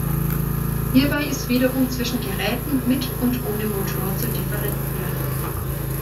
Hierbei ist wiederum zwischen Geräten mit und ohne Motor zu differenzieren.